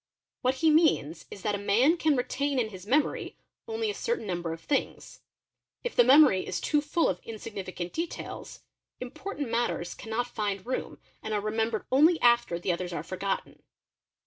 What he means is that a man can retain in his memory only a certain number of things; if the memory is too full — of insignificant details, important matters cannot find room and are re membered only after the others are forgotten.